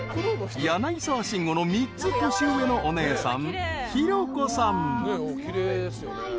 ［柳沢慎吾の３つ年上のお姉さん］